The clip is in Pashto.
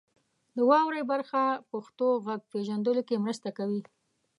د واورئ برخه پښتو غږ پیژندلو کې مرسته کوي.